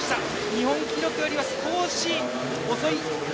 日本記録よりは少し遅い。